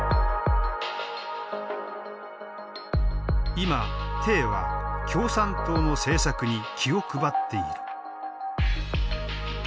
今は共産党の政策に気を配っている。